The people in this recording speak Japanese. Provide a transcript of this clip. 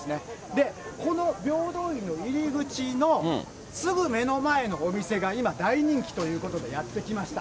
で、この平等院の入り口のすぐ目の前のお店が今、大人気ということでやって来ました。